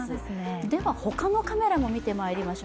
では、他のカメラも見ていきましょう。